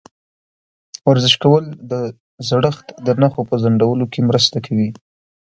ورزش کول د زړښت د نښو په ځنډولو کې مرسته کوي.